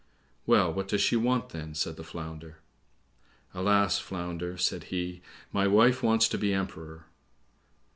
"Well, what does she want, then?" said the Flounder. "Alas, Flounder," said he, "my wife wants to be Emperor."